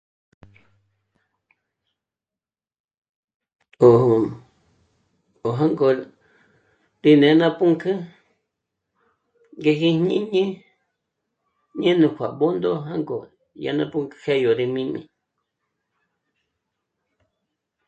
'ó... jângo rí né'e ná pǔnk'ü ngéji jñíni ñé'e nú pjà Bṓndo jângo dyá ná pǔnk'ü jé'e yó rí jmī́'mi